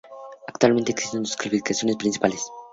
Actualmente existen dos clasificaciones principales.